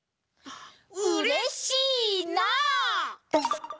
うれしいな！